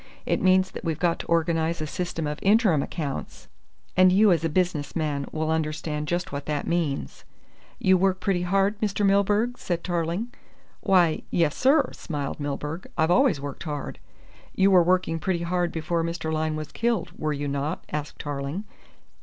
It means that we've got to organise a system of interim accounts, and you as a business man will understand just what that means." "You work pretty hard, Mr. Milburgh?" said Tarling. "Why, yes, sir," smiled Milburgh. "I've always worked hard." "You were working pretty hard before Mr. Lyne was killed, were you not?" asked Tarling.